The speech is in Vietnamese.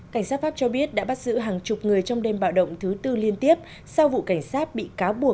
cảnh sát pháp cho biết đã bắt giữ hàng chục người trong đêm bạo động thứ tư liên tiếp sau vụ cảnh sát bị cáo buộc